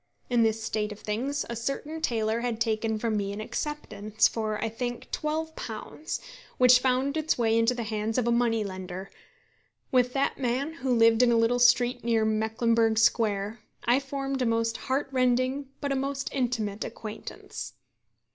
In this state of things a certain tailor had taken from me an acceptance for, I think, £12, which found its way into the hands of a money lender. With that man, who lived in a little street near Mecklenburgh Square, I formed a most heart rending but a most intimate acquaintance.